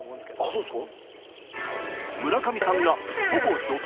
そうっすか？